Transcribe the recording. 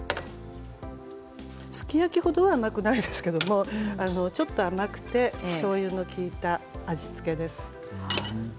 すき焼き程は甘くないですけどちょっと甘くてしょうゆの利いた味付けです。